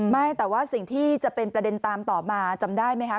ไม่แต่ว่าสิ่งที่จะเป็นประเด็นตามต่อมาจำได้ไหมคะ